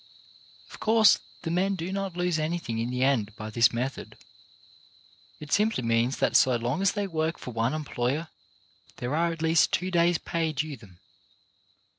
Of course the men do not lose anything in the end by this method; it simply means that so long as they work for one employer there are at least two days' pay due them.